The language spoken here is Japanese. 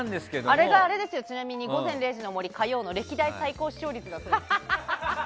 あれが、ちなみに「午前０時の森」火曜の歴代最高視聴率だそうです。